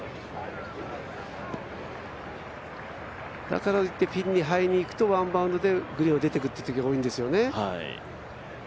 だからといってピンハイにいくとワンバウンドでグリーンを出てくってことが多いんですよね。